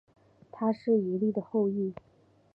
他是以利的后裔。